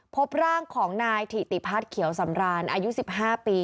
พบร่างของนายถิติพัฒน์เขียวสำรานอายุ๑๕ปี